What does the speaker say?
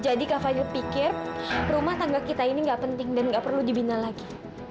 jadi kafadil pikir rumah tangga kita ini enggak penting dan nggak perlu dibina lagi